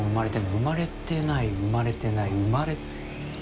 生まれてない生まれてない生まれ。